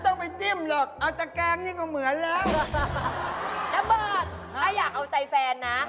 น้ำเบิร์ดถ้าอยากเอาใจแฟนนะ